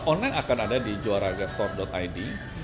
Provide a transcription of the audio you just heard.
online akan ada di juaragastore id